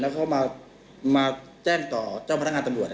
เขามาแจ้งต่อเจ้าพนักงานตำรวจ